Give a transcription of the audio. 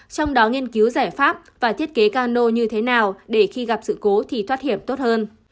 trong đó nghiên cứu giải pháp và thiết kế cano như thế nào để khi gặp sự cố thì thoát hiểm tốt hơn